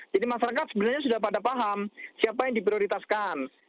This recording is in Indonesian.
jadi masyarakat sebenarnya sudah pada paham siapa yang diprioritaskan